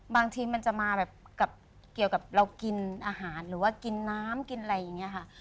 บางทีมันจะมาแบบกับเกี่ยวกับเรากินอาหารหรือว่ากินน้ำกินอะไรอย่างนี้ค่ะ